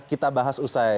kita bahas usai